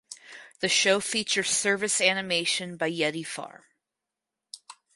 The show features service animation by Yeti Farm.